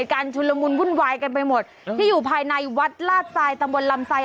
ชุนละมุนวุ่นวายกันไปหมดที่อยู่ภายในวัดลาดทรายตำบลลำทราย